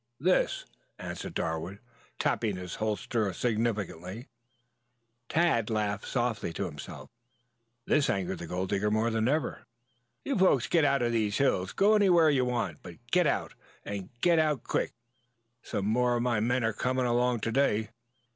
"This," answered Darwood, tapping his holster significantly. Tad laughed softly to himself. This angered the gold digger more than ever. "You folks get out of these hills! Go anywhere you want to, but get out and get out quick. Some more of my men are coming along to day.